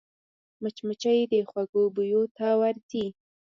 مچمچۍ د خوږو بویو ته ورځي